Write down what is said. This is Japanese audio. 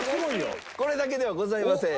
これだけではございません。